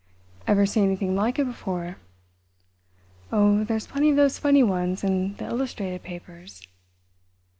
"Ever seen anything like it before?" "Oh, there's plenty of those funny ones in the illustrated papers."